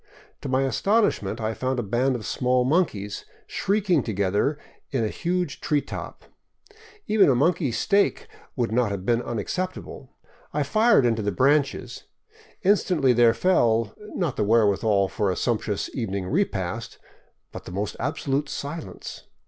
To my astonishment, I found a band of small monkeys shrieking together in a huge tree top. Even a monkey steak would not have been unacceptable. I fired into the branches. Instantly there fell, not the wherewithal for a sumptuous evening repast, but the most absolute silence.